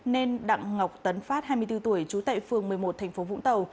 nên đặng ngọc tấn phát hai mươi bốn tuổi trú tại phường một mươi một thành phố vũng tàu